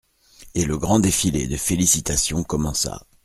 Et le grand défilé de félicitations commença.